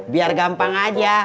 biar gampang aja